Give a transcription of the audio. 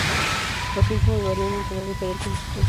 Los síntomas varían entre las diferentes especies.